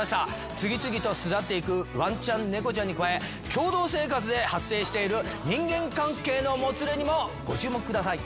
次々と巣立っていくワンちゃん猫ちゃんに加え共同生活で発生している人間関係のもつれにもご注目ください。